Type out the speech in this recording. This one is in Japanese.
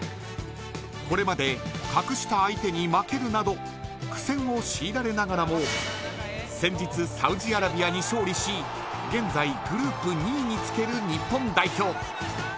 これまで格下相手に負けるなど苦戦をしいられながらも先日、サウジアラビアに勝利し現在グループ２位につける日本代表。